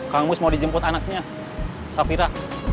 kang mus mau dijemput anaknya safira